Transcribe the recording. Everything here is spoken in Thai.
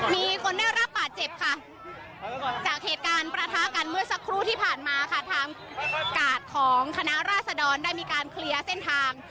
มีคนได้รับบาดเจ็บค่ะจากเหตุการณ์ประทะกันเมื่อสักครู่ที่ผ่านมาค่ะทางกาดของคณะราษดรได้มีการเคลียร์เส้นทาง